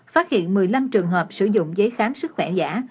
phát hiện một mươi năm trường hợp sử dụng giấy khám sức khỏe giả